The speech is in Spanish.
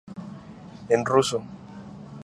En ruso